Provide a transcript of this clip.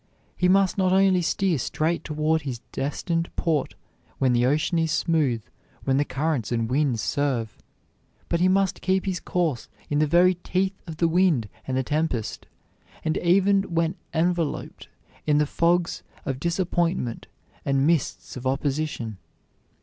He must not only steer straight toward his destined port when the ocean is smooth, when the currents and winds serve, but he must keep his course in the very teeth of the wind and the tempest, and even when enveloped in the fogs of disappointment and mists of opposition.